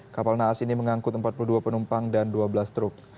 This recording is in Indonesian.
kapal naas ini mengangkut empat puluh dua penumpang dan dua belas truk